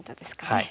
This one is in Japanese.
はい。